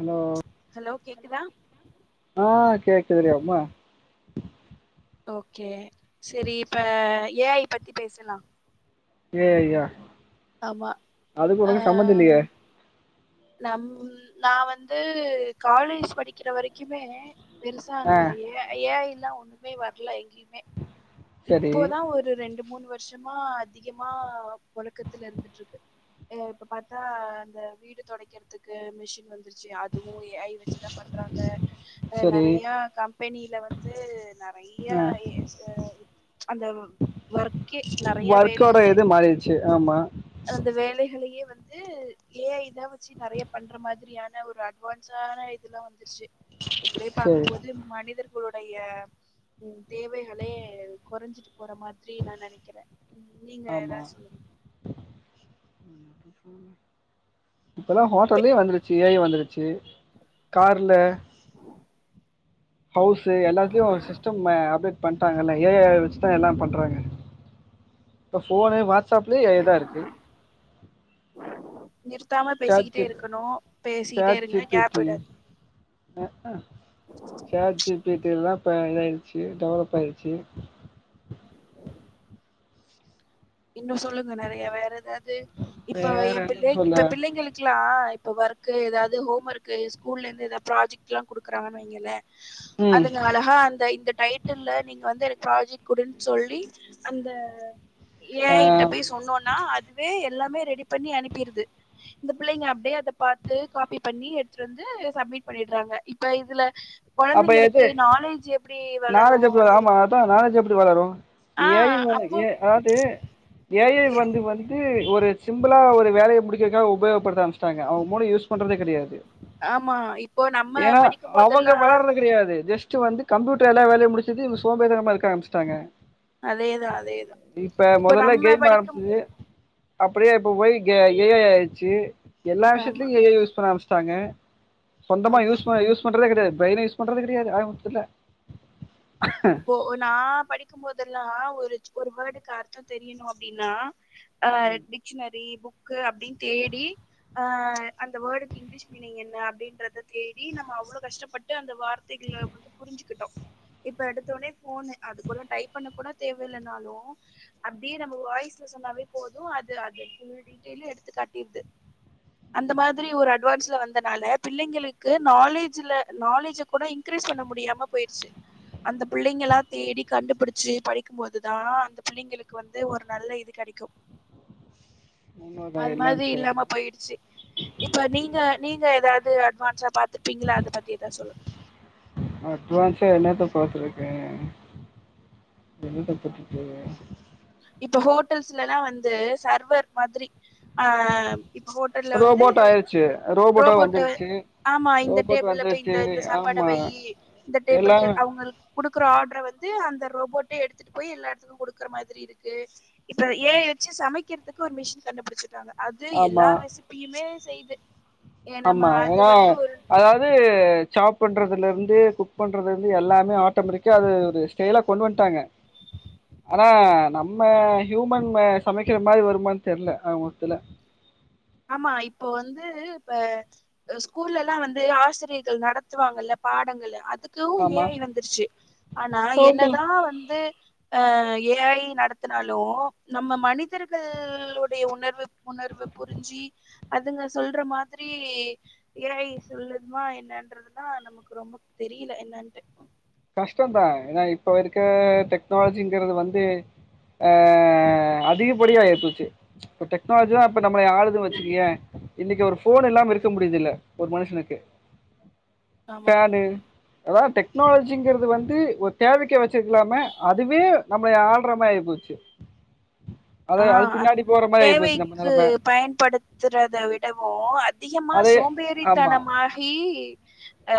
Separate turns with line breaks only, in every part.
Hello
hello கேக்குதா
ஆ கேக்குதுடி அம்மா
ஓகே செரி இப்ப ஏஐ பத்தி பேசலா
ஏஐயா
ஆமா
அதுக்கு
ஆ
உனக்கு சம்மந் இல்லையே
நம் நா வந்து காலேஜ் படிக்கிற வரைக்குமே பெருசா
ஆ
அந்த ஏ ஏஐல்லா ஒண்ணுமே வரல எங்கயு எ
சரி
இப்போதா ஒரு ரெண்டு மூணு வ ருஷமா அதிகமா புழக்கத்துல இருந்துட்டு இருக்கு ஏ இப்ப பாத்தா அந்த வீடு தொடைக்கிறதுக்கு மிஷின் வந்து ச்சு அதுவு ஏஐ வச்சுதா பண்றாங்க ஆ
சரி
நிறைய கம்பெனில வந்து நெறைய
ஆ
அந்த ஒர்க்கே நொறைய வேலைகளே
செ ஆமா
அந்த வேலைகளையே வந்து ஏஐதா வச்சு நறைய பண்ற மாதிரியான ஒரு அட்வான்ஸான இதுல்லா வந்துருச்சு இப்படியே
சரி
பாக்கும்போது மனிதர்களுடைய ம் தேவைகளே குறஞ்சிட்டு போற மாதிரி நா நினைக்கிறே
ஆமா இப்போல்லா ஹோட்டோல்லயே வந்துருச்சு ஏஐ வந்துருச்சு கார்ல ஹவுஸ்சு எல்லாத்துலையு சிஸ்டம் அப்டேட் பண்ட்டாங்கல்ல ஏஐ வொச்சுதா எல்லாம் பண்றாங்க இப்ப போனு வாட்ஸ்அப்லேயே ஏஐதா இருக்கு
நிறுத்தாம
சாட்
பேசிக்கிட்டே
ஜி
இருக்கணு பேசிட்டே
சாட் ஜி
இருங்க
பி
கேப்
டி
விடாதீங்
சாட் ஜிபீட்டி எல்லா பேடா இதாயிருச்சு டெவலப் ஆயிருச்சு
இன்னு சொல்லுங்க நெறைய வேற ஏதாவது இப்ப
வேற
என்
என்ன
பிள்ளை
சொல்ல
இப்ப பிள்ளைங்களுக் இருக்கலா இப்ப ஒர்க் எதாவது ஹோம் ஒர்க்கு ஸ்கூல்லந்து எதாவது ப்ராஜெக்ட் எல்லாம் குடுக்குறாங்கனு
ம்
அதுங்க அழகா அந்த இந்த டை டைடில்ல நீங்க வந்து எனக்கு ப்ராஜெக்ட் குடுன்னு சொல்லி அந்த
ஆ
ஏஐ கிட்ட போய் சொன்னோனா அதுவே எல்லாமே ரெடி பண்ணி அனுப்பிருது இந்த புள்ளைங்க அப்டே அத பாத்து காபி பண்ணி எடுத்துட்டு வந்து சப்மிட் பண்ணிட்றாங்க இப்ப இதுல
அப்ப எது
கொழந்தைங்களுக்கு நாலேஜ் எப்டி வளரு
அத்தா நாலேஜ் எப்டி வளரு
ஆ
ஏ ஐ
அப்போ
அதாவது ஏ ஐ வந்து வந்து ந்து ஒரு சிம்பிளா ஒரு வேலய முடிக்கிறதுக்காக உபயகப்படுத்த ஆரசமிச்ட்டாங்க அவங்க மூளைய யூஸ் பண்றதே கெடையாது
ஆமா இப்போ நம்ம படிக்கும்போதெல்லா
இப்ப கெடையாது ஜஸ்ட் வந்து கம்யூட்டர் எல்லா வேலய முடிச்சிது சோம்பேறிதனமா இருக்க ஆரம்மிச்சிட்டாங்க
அதேதா அதேதா
இப்ப மொதல்ல
நம்ம
கேம்
படிக்கும்
ஆரமிச்சிது அப்டியே இப்ப போய் ஏ ஐ ஆயிடுச்சு எல்லா
ஆமா
விஷயத்துலயு ஏ ஐ யூஸ் பண்ண ஆரமிச்சுட்டாங்க சொந்தமா
ஆமா
யூஸ் ப யூஸ் பண்றதே கெடையாது பிரைனே யூஸ் பண்றதே கெடையாது ஆக மொத்ததுல்ல
இப்போ நா படிக்கும்போதெல்லா ஒரு ஒரு வேர்டுக்கு அர்த்தம் தெரியணு அப்டின்னா அ டிக்ஷனரி புக்கு அப்டின் தேடி அ அந்த ஓடுக [unintelligible] அப்டின்றத தேடி நம்ம அவ்ளோ கஷ்டப்பட்டு அந்த வார்த்தைகள வந்து புரிஞ்சுகிட்டோ இப்ப எடுத்த ஒனே போனு அதுக்குள்ள டைப் பண்ண கூட தேவையில்லனாலு அப்டியே நம்ம வாய்ஸ்ல சொன்னாவே போது அது அது ஃபுல் டீட்டெயிலி எடுத்து காட்டிருது அந்த மாதிரி ஒரு அட்வான்ஸ்ல வந்தனால பிள்ளைங்களுக்கு நாலேஜ்ல நாலேஜ் கூட இன்க்ரீஸ் பண்ண முடியாம போயிருச்சு அந்த புள்ளைங்களா தேடி கண்டுபிடிச்சு படிக்கும்போதுதா அந்த புள்ளைங்களுக்கு வந்து ஒரு நல்ல இது கெடைக்கு
உண்மதா
அது
இல்லன்னு
மாரி
சொல்லல
இல்லாம போயிடுச்சு இப்ப நீங்க நீங்க எதாவ்து அட்வான்ஸா பாத்துர்ப்பீங்ள அத பத்தி எதா சொல்லுங்க
அட்வான்ஸா என்னத்த பாத்துருக்கே என்னத்த பாத்துருக்கே
இப்ப ஹோட்டல்ஸ்லல்லா வந்து சர்வர் மாதிரி ஆ இப்போ ஹோட்டல்ல வந்து
ரோபோட் ஆயிருச்சு ரோபோட்டா
ரோபோட்டு
வந்துருச்சு
ஆமா இந்த
ரோபோட்
டேபில்ல போயி
வந்துருச்சு
இந்த சாப்பாட
ஆமா
வெய்யி இந்த
எல்லா
டேபிள்க்கு எ அவ்ங்குள் குடுக்குற ஆட்ர வந்து அந்த ரோபோட்டே எடுத்துட்டு போயி எல்லா எடத்துக்கு குடுக்குற மாதிரி இருக்கு இப்ப ஏ ஐ வெச்சு சமைக்கிறதுக்கு ஒரு மிஷின் கண்டுப் புடிச்சட்டாங்க அது
ஆமா
எல்லா ரெசிப் பியுமே செய்து ஏ நம்ம
ஆமா
அது
ஏன்னா
வந்து ஒரு
அதாவது சாப் பண்ணறதுலருந்து குக் பண்ணுறதுலிர்ந்து எல்லாமே ஆட்டோமெட்டிக்கா அது ஒரு செயலா கொண்டு வந்ட்டாங்க ஆனா நம்ம ஹியூமன்க சமைக்கிற மாரி வருமான் தெரிஅல ஆகமொத்துல
ஆமா இப்போ வந்து இப்ப அ ஸ்கூலெல்லா வந்து ஆசிரியைகள் நடத்துவாங்கல்ல பாடங்களு அதுக் கு ஏ
ஆமா
ஐ வந்துருச்சு ஆனா
ஆமா
என்னதா வந்து ஆ ஏ ஐ நடத்துனாலு நம்ம மனிதர்கள் உடைய உணர்வு உணர்வுப் பு ரிஞ்சி அதுங்க சொல்ற மாதிரி ஏ ஐ சொல்லும்மா என்னன்றதுனா நமக்கு ரொம்ப தெரியில என்னன்ட்டு
கஷ்டம்பா ஏனா இப்ப இருக்க டெக்னாலஜிங்கறது வந்து ஆ அதிகப்படியா ஆயிப்போச்சு இப்ப டெக்னாலஜிதா இப்ப நம்மளய ஆளுதுன் வச்சிக்கியே இன்னிக்கு ஒரு ஃபோனு இல்லாம இருக்க முடிற்தில்ல ஒரு மனுஷனுக்கு
ஆமா
ஃபேனு அதாவ் டெக்னாலஜ் ஜிங்கிறது வந்து ஒரு தேவைக்கு வச்சிக்கலாமே அதுவே நம்மளய ஆள்ற மா ஆயி போச்சு
ஆ
மாரி ஆயிப்போச்சு நம்ம
தேவைக்கு
நெலம
பயன்படுத் த்துறத விடவு அ திகமா
அதே ஆமா
சோம்பேறித்தனமாகி அ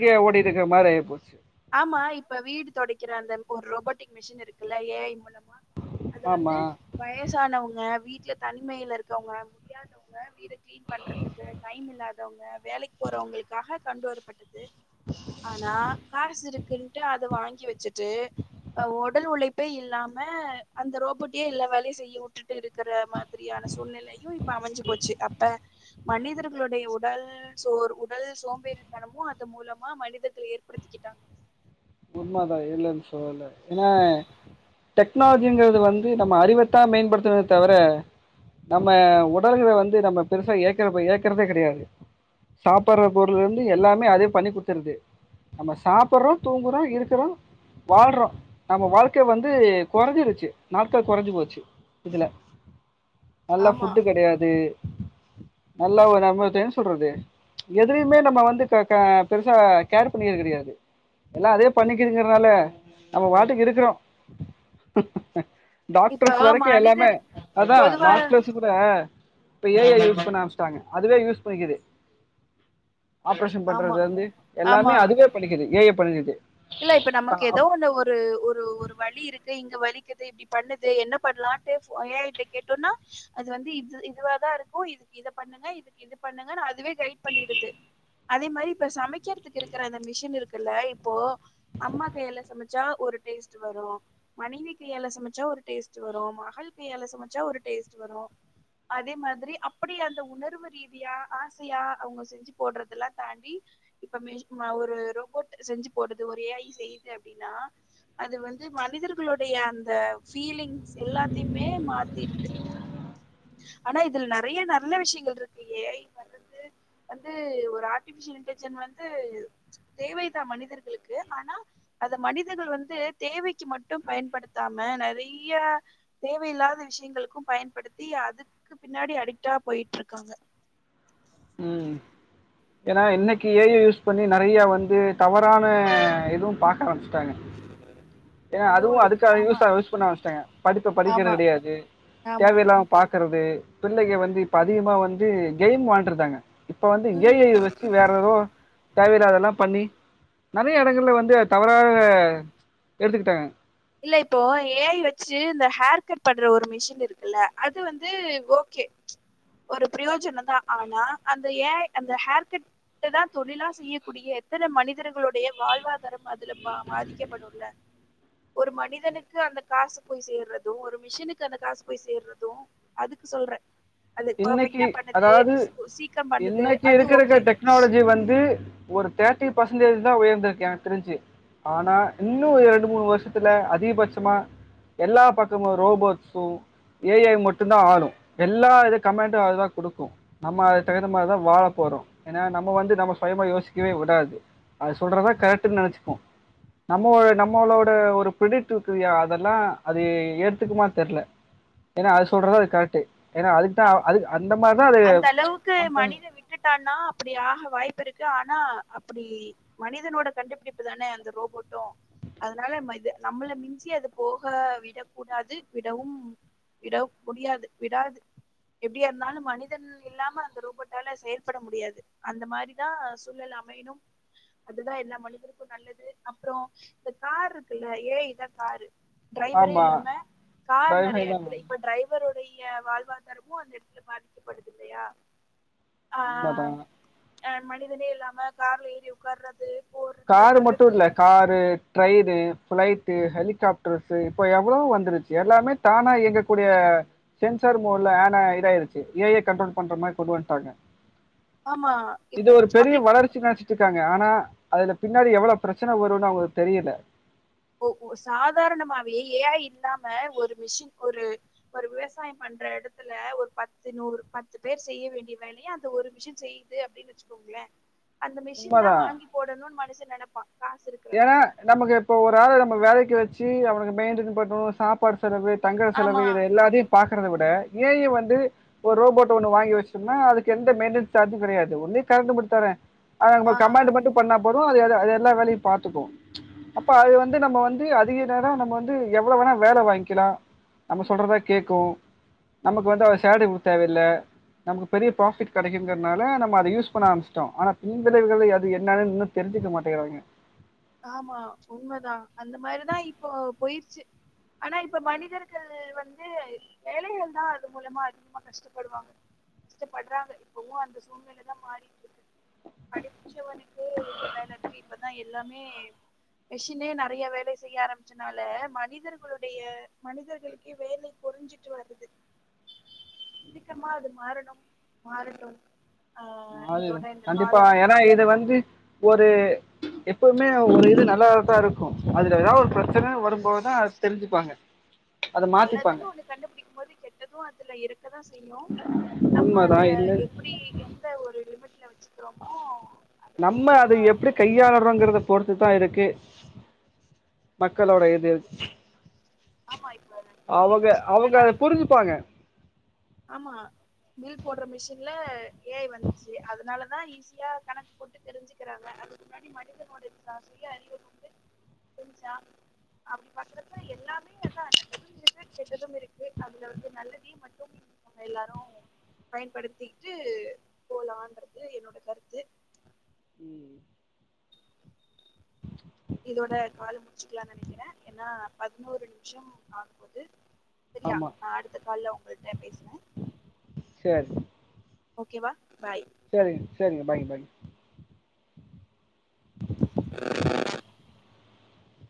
கியே ஓடிட்ருக்க மாரி ஆயிபோச்சு
ஆமா இப்ப வீடு தொடைக்கிற அந்த ஒரு ரோபோட்டிக் மிஷின் இருக்குல்ல ஏ ஐ மூலமா அது
ஆமா
வந்து வயசானவங்க வீட்ல தனிமைல இருக்கவங்க முடியாதவங்க வீடு க்ளீன் பண்றதுக்கு டைம் இல்லாதவங்க வேலைக் போறவங்களுக்காக கண்டு வரப்பட்டது ஆனா காசு இருக்குன்ட்டு அத வாங்கி வெச்சுட்டு அ உடல் உழைப்பே இல்லாம அந்த ரோபோட்யே எல்லா வேலயு செய்ய வுட்டுட்டு இருக்கிற மா திரியான சூழ்நிலையு இப்ப அமஞ்சு போச்சு அப்ப மனிதர்களுடைய உடல் சோர் உடல் சோம்பேறி தனமு அது மூலமா மனிதர்கள் ஏற்படுத்திக்கிட்டாங்க
உண்மதா இல்லன் சொல்லல ஏனா டெக்னாலஜிங்கிறது வந்து நம்ம அறிவ‌த்தா மேம்படுத்துமே தவிர நம்ம உடல்கில வந்து நம்ம பெருசா இயக்கிற இயக்கறதே கெடயாது சாப்புற பொருளலிருந்து எல்லாமே அதே பண்ணி குத்துறுது நம்ம சாப்புற்றோ தூங்குறோ இருக்குறோ வாழ்றோ நம்ம வாழ்க்க வந்து கொறஞ்சிருச்சு நாட்கள் கொறஞ்சு போச்சு இதுல நல்ல
ஆமா
ஃபுட்டு் கெடையாது நல்லா ஒரு நம்மத்த என்ன சொல்றது எதுலையுமே நம்ம வந்து கே க பெருசா கேர் பண்ணியது கெடையாது எல்லா அதே பண்ணிக்கிதுங்றனால நம்ம வாட்டுக்கு இருக்குறோ
இப்ப
டாக்டர்ஸ் வரைக்கு எல்லாமே
மனிதர்
அதா
பொதுவா
லாக்லஸ் ‌டீ கூட இப்ப ஏ‌ ஐ யூஸ் பண்ண ஆரம்ச்சிட்டாங்க அதுவே யூஸ் பண்ணிகுது ஆப்ரேஷன் பண்றது
ஆமா
வந்து எல்லாமே
ஆமா
அதுவே பண்ணிக்கிது ஏ ஐ பண்ணிக்கிது
இல்ல இப்ப நமக்கு ஏதோ ஒன்னு ஒரு ஒரு ஒரு ஒரு வழி இருக்கு இங்க வலிக்குது இப்டி பண்ணுது என்ன பண்லான்ட்டு ஏ‌ ஐ கிட்ட கேட்டோனா அது வந்து இது இதுவாதா இருக்கு இதுக்கு இத பண்ணுங்க இதுக்கு இது பண்ணுங்க அதுவே கைட் பண்ணக் பண்ணிடுது அதே மாரி இப்ப சமைக்கிறதுக்கு இருக்கற அந்த மிஷின் இருக்குல்ல இப்போ அம்மா கைல சமச்சா ஒரு டேஸ்ட் வரு மனைவி கையால சமச்சா ஒரு டேஸ்ட் வரு மகள் கையால சமச்சா ஒரு டேஸ்ட் வரு அதே மாதிரி அப்டி அந்த உணர்வு ரீதியா ஆசையா அவுங்க செஞ் போட்றதெல்லா தாண்டி இப்ப மே ம ஒரு ரோபோட் செஞ்சி போடுது ஒரு ஏ ஐ செய்யுது அப்டின்னா அது வந்து மனிதர்களுடைய அந்த ஃபீலிங்ஸ் எல்லாத்தையுமே மாத்திருது ஆனா இதுல நெறைய நல்ல விஷ்யங்கள் இருக்கு ஏ ஐ ல வந்து வந்து ஒரு ஆர்ட்டிபிஷியல் இன்டஜென் வந்து தேவைதா மனிதர்களுக்கு ஆனா அத மனிதர்கள் வந்து தேவைக்கு மட்டு பயன்படுத்தாம நெறைய தேவையில்லாத விஷ்யங்களுக்கு பயன்படுத்தி அதுக்கு பின்னாடி அடிக்டா போய்ட்ருக்காங்க
ம் ஏனா இன்னைக்கு ஏ ஐ யூஸ் பண்ணி நெறையா வந்து தவறான எதுவு பாக்க ஆரம்பிச்ட்டாங்க ஏங்க அதுவு
இருக்கு
அதுக்காக
ஆமா
யூஸ் ஆவு யூஸ் பண்ண ஆரம்ச்ட்டாங்க படிப்ப படிக்கிறது
ஆமா
கெடையாது
ஆமா
தேவையில்லாம் பாக்கறது பிள்ளைக வந்து இப்போ அதிகமாக வந்து கேம் வான்டரு தாங்க இப்ப வந்து ஏ
ம்
ஐ வச்சு வேற ஏதோ தேவையில்லாதெல்லா பண்ணி நெறைய எடங்கள்ல வந்து தவறாக எடுத்துக்கிட்டாங்க
இல்ல இப்போ ஏ ஐ வச்சி இந்த ஹேர் கட் பண்ற ஒரு மிஷின் இருக்குல்ல அது வந்து ஓகே ஒரு பிரியோஜன தா ஆனா அந்த ஏ ஐ அந்த ஹேர் கட் ட தா தொழிலா செய்யக்கூடிய எத்தன மனிதர்களுடைய வாழ்வாதாரம் அதுல பா பாதிக்கப்படு இல்ல ஒரு மனிதனுக்கு அந்த காசு போய் சேர்றது ஒரு மிஷினுக்கு அந்த காசு போய் சேர்றது அதுக்கு சொல்றே அது
இன்னைக்கு
பர்ஃபெக்ட்டா பண்ணுது
அதாவது
சீ- சீக்கிரம் பண்ணுது
இன்னைக்கு
அது
இருக்கறக்க
ஓகே
டெக்னாலஜி வந்து ஒரு தேட்டி பர்சன்டேஜ் தா உயர்ந்திருக்கு எனக் தெரிஞ்சி ஆனா இன்னு ரெண்டு மூணு வருஷத்துல அதிகபட்சமா எல்லா பக்கமு ரோபோட்ஸு ஏ ஐ மட்டு தா ஆளு எல்லா எடத் கமெண்ட் அதுதா குடுக்கு நம்ம அது தகுந்த மாரிதா வாழ போறோ ஏனா நம்ம வந்து நம்ம சுயமா யோசிக்கவே வுடாது அது சொல்றதா கரெட்ன் நெனச்சிக்கு நம்ம நம்மளோட ஒரு பிரெடிட் இருக்குால்யா அதெல்லா அது ஏத்துக்குமா தெர்ல ஏனா அது சொல்றதா அது கரெக்ட்டு ஏனா அதுக்கு த அதுக் அந்த மாரி தா அது
அந்த அளவுக்கு மனித விட்டுட்டான்னா அப்டி ஆக வாய்ப்பு இருக்கு ஆனா அப்படி மனிதனோட கண்டுபிடிப்பு தானே அந்த ரோபோட்டு அதனால மது நம்மள மிஞ்சி அது போக விடக் கூடாது விடவும் விட முடியாது விடாது எப்டியா இருந்தாலு ‌மனி தன் இல்லாம அந்த ரோபோட்டால செயல்பட முடியாது அந்த மாரிதா சூழல் அமையணும் அதுதா எல்லா மனிதருக்கு நல்லது அப்புறோ இந்த கார் இருக்குல்ல ஏ ஐ தா காரு டிரைவரே
ஆமா.
இல்லாம கார்
டிரைவை
நறைய
தா
எடத்துலே இப்ப ட்ரைவருடைய வாழ்வாதாரமு அந்த எடத்துல பாதிக்கப்படுது இல்லையா ஆ ஆ
உண்மதா
ஆ அ மனிதனே இல்லாம கார்ல ஏறி உக்கார்றது
கார் மட்டு இல்ல காரு ட்ரெயினு ஃப்ளைட்டு ஹெலிகாப்டர்ஸு இப்போ எவ்வளோ வந்துருச்சு எல்லாமே தானா இயங்க கூடிய சென்சர் மூ இல்ல அனா இதாயிருச்சு ஏ ஐ கண்ட்ரோல் பண்ற மாரி கொண்டு வந்ட்டாங்க
ஆமா
இது ஒரு பெரிய
அப்டி
வளர்ச்சி நனைச்சிட்ருக்காங்க ஆனா அதுல பின்னாடி எவ்வளோ பிரச்சன வருனு அவங்களுக்கு தெரியல
ஓ ஓ சாதாரணமாவே ஏ ஐ இல்லாம ஒரு மிஷின் ஒரு ஒரு விவசாயம் பண்ற எடத்துல ஒரு பத்து நூறு பத்து பேர் செய்ய வேண்டிய வேலைய அந்த ஒரு மிஷன் செய் து அப்டின் வச்சுக்கோங்கள அந்த மிஷின் தா
உண்மதா
வாங்கி போடணுன் மனுஷு நெனப்பா காசு இருக்கிறவ
ஏனா நமக்கு இப்ப ஒரு ஆள நம்ம வேலைக்கு வச்சு அவனுக்கு மெயின்டென் பண்ணு சாப் பாடு செலவு தங்குற செலவு
ஆமா
இத எல்லாத்தையு பாக்கறத விட ஏ ஐ வந்து ஒ ரோபோட் ஒன்னு வாங்கி வச்சுடோம்னா அதுக்கு எந்த மெயின்டென்ஸ் சார்ஜு கெடையாது ஒன்லி கரண்ட் மட்டு தான அ நம்ம
ஆ
கமண்டு மட்டு பண்ணா போதோ அது அது அது எல்லா வேலையு பாத்துக்கூ அப்ப அது வந்து நம்ம வந்து அதிக நேரோ நம்ம வந்து எவ்வளோ வேணா வேல வாங்கிக்கலா நம்ம சொல்றதா கேக்கு நமக்கு வந்து அவ செல்ரி குடு தேவையில்ல நமக்கு பெரிய ப்ராஃபிட் கெடைக்குங்கறனால நம்ம அத யூஸ் பண்ண ஆரமிச்சிட்டோ ஆனா பின்விளைவுகளு அது என்னனு இன்னு தெரிஞ்சுக்க மாட்டேங்கிறாங்க
ஆமா உண்மதா அந்த மாரிதா இப்போ போயிருச்சு ஆனா இப்ப மனிதர்களு வந்து வேலைகள் தா அது மூலமா அதிகமா கஷ்டப்படுவாங்க இஷ்ட பட்றாங்க இப்பவு அந்த சூழ்நில தா மாறிட்டுருக்கு படிச்சவனு க்கு எங்க வேல இருக்கு இப்பதா எல்லாமே மிஷினே நெறைய வேலை செய்ய ஆரம்பிச்சனால மனிதர்களுடைய மனிதர்களுக்கு வேலை பொரிஞ்சிட்டு வருது சீக்கரமா அது மாறணும் மாறட்டும் ஆ இதோட
மாறிரும்
இந்த கால
கண்டிப்பா
வந்து
ஏனா இது வந்து ஒரு எப்பவுமே ஒரு இது நல்லாதாத்தா இருக்கு அதுல ஏதா ஒரு பிரச்சன வரும்போதுதா அது தெரிஞ்சுப்பாங்க [inaudible] மாத்திப்பாங்க
நல்லதுனு ஒண்ணு கண்டுபிடிக்கும் போது கெட்டதூ அதுல இரு க்கதா செய்யு நம்ம
உண்மதா
அத
இல்ல
எப்பிடி எந்த ஒரு லிமிட்ல வச்சு க்றோமோ அது பொறுத்து தா இரு
கையாளறோங்கிறத பொறுத்து தா இருக்கு மக்களோட இது
ஆமா இப்ப அந்த டிரில்லிங் மிஷின் இல்லனா
ப்பாங்க
ஆமா பில் போட்ற மிஷின்ல ஏ ஐ வந்துச்சு அதனால தா ஈஸியா கணக்கு போட்டு தெரிஞ்சுக்கிறாங்க அதுக்கு முன்னாடி மனிதனோட இதுதா சுய அறிவு வந்து தெரிஞ்சா அப்டி பாக்குறப்ப எல்லாமே அதா நல்லதும் இருக்கு கெட்டதும் இருக்கு அதுல வந்து நல்லதியு மட் எல்லாரு பயன்படுத்திகிட்டு போலான்றது என்னோட கருத்து
ம்
இதோட கால் முடிச்சுக்கலான்னு நெனைக்கிறே ஏன்னா பதினோரு நிமிஷோ ஆகப்போது செரியா
ஆமா
நா அடுத்த கால்ல உங்கள்ட பேசுனு
சேரி
ஓகே வா பாய்
செரிங்க செரிங்க பாய்ங்க பாய்ங்க
[unintelligible]